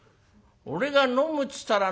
俺が飲むっつったら」。